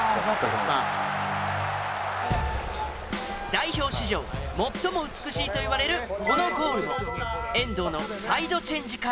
代表史上最も美しいといわれるこのゴールも遠藤のサイドチェンジから。